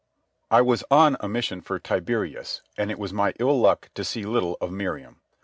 I was on a mission for Tiberius, and it was my ill luck to see little of Miriam.